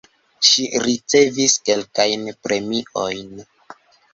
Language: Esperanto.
Ŝi ricevis kelkajn premiojn.